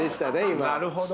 なるほど。